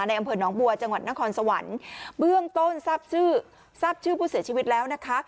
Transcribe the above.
อำเภอหนองบัวจังหวัดนครสวรรค์เบื้องต้นทราบชื่อทราบชื่อผู้เสียชีวิตแล้วนะคะ